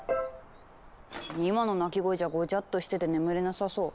今の鳴き声じゃごちゃっとしてて眠れなさそう。